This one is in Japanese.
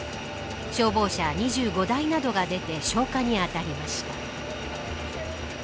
消防車２５台などが出て消火にあたりました。